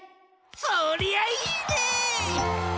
そりゃあいいねえ！